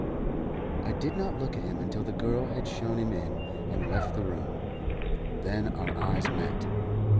I did not look at him until the girl had shown him in and left the room; then our eyes met.